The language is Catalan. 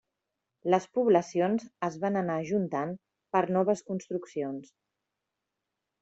Les poblacions es van anar ajuntant per noves construccions.